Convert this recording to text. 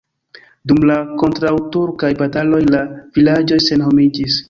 Dum la kontraŭturkaj bataloj la vilaĝoj senhomiĝis.